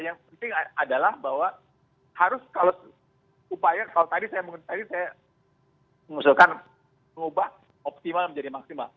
yang penting adalah bahwa harus kalau upaya kalau tadi saya mengusulkan mengubah optimal menjadi maksimal